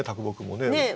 ねえ？